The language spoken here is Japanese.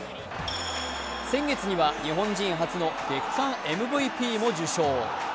先月には日本人初の月間ＭＶＰも受賞